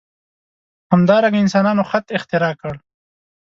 همدارنګه انسانانو خط اختراع کړ.